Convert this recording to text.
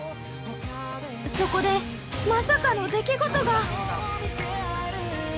◆そこでまさかの出来事が！？